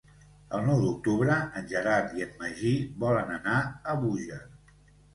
El nou d'octubre en Gerard i en Magí volen anar a Búger.